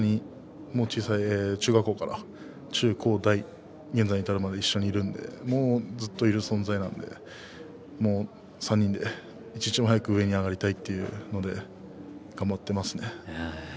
高橋関も嘉陽さんも一緒にいた存在なので中学校から、中高大現在に至るまで一緒にいるのでずっといる存在なので３人で一日も早く上に上がりたいというので頑張っていきますね。